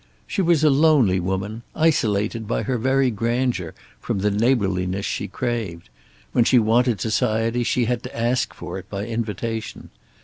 She was a lonely woman, isolated by her very grandeur from the neighborliness she craved; when she wanted society she had to ask for it, by invitation.